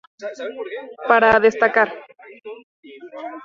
Para destacar.